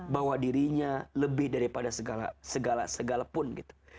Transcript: bawa dirinya lebih daripada segala segala pun gitu